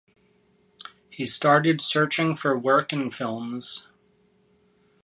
He started searchimg for work in films.